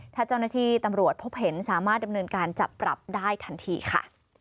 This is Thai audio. ถ้าเจ้าหน้าที่ตำรวจพบเห็นสามารถดำเนินการจับปรับได้ทันทีค่ะ